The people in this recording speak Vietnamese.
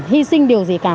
hy sinh điều gì cả